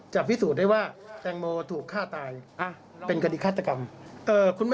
พิสูจน์ได้ว่าแตงโมถูกฆ่าตายเป็นคดีฆาตกรรม